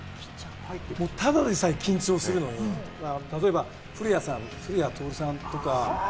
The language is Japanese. ただでさえ緊張するのに例えば古谷さん、古谷徹さんとか。